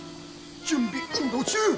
準備運動中！